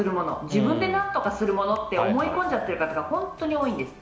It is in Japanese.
自分で何とかするものって思い込んじゃってる方が本当に多いんです。